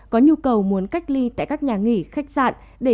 có nhu cầu muốn cách ly tại các nhà nghỉ khách sạn